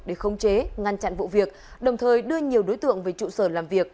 để khống chế ngăn chặn vụ việc đồng thời đưa nhiều đối tượng về trụ sở làm việc